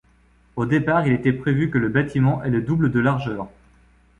Au départ, il était prévu que le bâtiment ait le double de largeur.